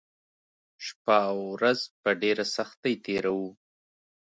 شپه او ورځ په ډېره سختۍ تېروو